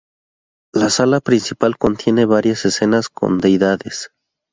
La sala principal contiene varias escenas con deidades.